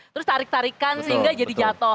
terus tarik tarikan sehingga jadi jatuh